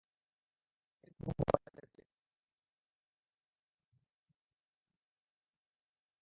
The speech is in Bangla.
একটা পিচ্চিকে খুব ভয় দেখালে।